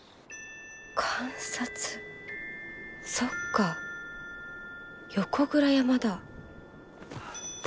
そっか横倉山だ。